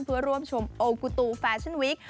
เพื่อร่วมชมโอกูตูแฟชั่นวิก